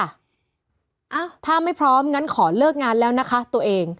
อ้าวถ้าไม่พร้อมงั้นขอเลิกงานแล้วนะคะตัวเอง